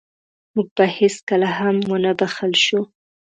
موږ به هېڅکله هم ونه بښل شو.